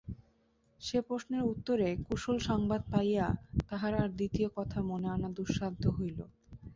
সে প্রশ্নের উত্তরে কুশল-সংবাদ পাইয়া তাহার আর দ্বিতীয় কথা মনে আনা দুঃসাধ্য হইল।